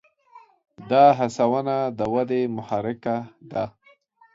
دا هڅونه د ودې محرکه ده.